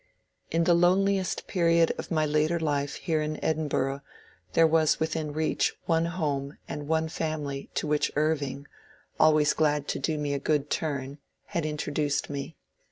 In the loneliest period of my later life here in Edinburgh there was within reach one home and one family to which Irving, always glad to do me a good turn, had introduced me.